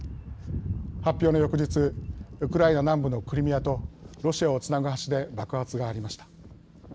発表の翌日ウクライナ南部のクリミアとロシアをつなぐ橋で爆発がありました。